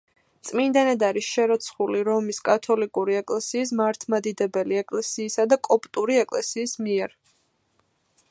წმინდანად არის შერაცხილი რომის კათოლიკური ეკლესიის, მართლმადიდებელი ეკლესიისა და კოპტური ეკლესიის მიერ.